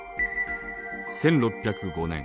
１６０５年。